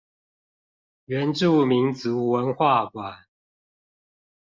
原住民族文化館